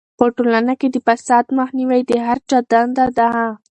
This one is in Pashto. په ټولنه کې د فساد مخنیوی د هر چا دنده ده.